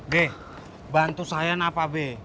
geh bantu saya nafabe